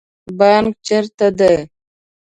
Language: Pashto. بانک چیرته دی؟